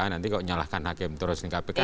nanti kalau menyalahkan hakim terus di kpk